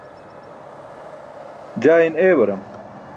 jaa in eewaram